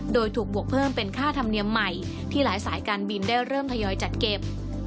โดยถูกบวกเพิ่มเป็นค่าธรรมเนียมใหม่ที่หลายสายการบินได้เริ่มทยอยจัดเก็บ